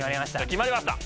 決まりました！